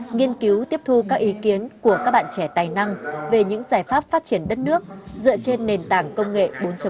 nghiên cứu tiếp thu các ý kiến của các bạn trẻ tài năng về những giải pháp phát triển đất nước dựa trên nền tảng công nghệ bốn